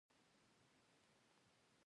د انګور پاڼې د څه لپاره وکاروم؟